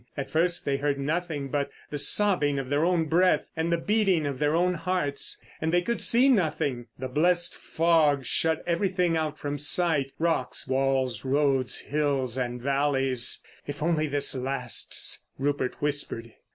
At first they heard nothing but the sobbing of their own breath, and the beating of their own hearts. And they could see nothing; the blessed fog shut everything out from sight—rocks, walls, roads, hills, and valleys. "If this only lasts," Rupert whispered.